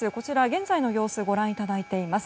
現在の様子をご覧いただいています。